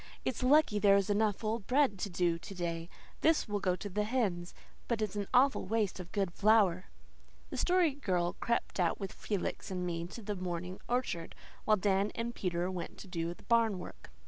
"It's lucky there's enough old bread to do to day. This will go to the hens. But it's an awful waste of good flour." The Story Girl crept out with Felix and me to the morning orchard, while Dan and Peter went to do the barn work.